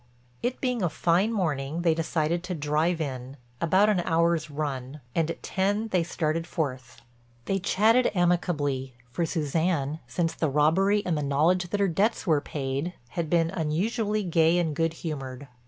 It being a fine morning they decided to drive in—about an hour's run—and at ten they started forth. They chatted amicably, for Suzanne, since the robbery and the knowledge that her debts were paid, had been unusually gay and good humored.